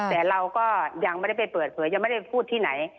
แต่เราก็ยังไม่ได้ไปเปิดเผยยังไม่ได้พูดที่ไหน